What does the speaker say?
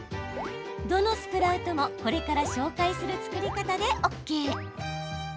どのスプラウトもこれから紹介する作り方でＯＫ。